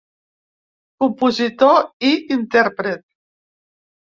Compositor i intèrpret.